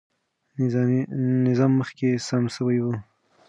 نظام مخکې سم سوی و.